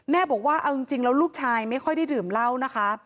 บอกว่าเอาจริงแล้วลูกชายไม่ค่อยได้ดื่มเหล้านะคะ